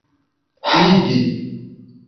igi